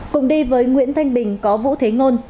cùng đi với nguyễn thanh bình có vũ thế ngôn